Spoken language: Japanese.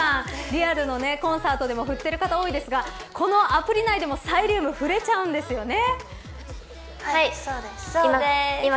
リアルのコンサートでも振っている方、多いですがこのアプリ内でもサイリウムが振れちゃうんですよね。